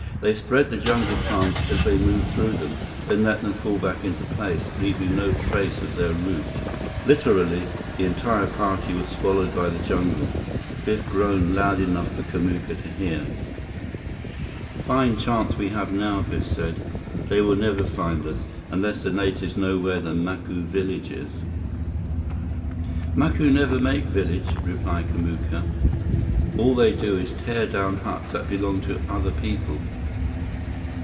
They spread the jungle plants as they moved through them, then let them fall back into place, leaving no trace of their route. Literally, the entire party was swallowed by the jungle. Biff groaned loud enough for Kamuka to hear. "Fine chance we have now!" Biff said. "They will never find us, unless the natives know where the Macu village is." "Macu never make village," replied Kamuka. "All they do is tear down huts that belong to other people."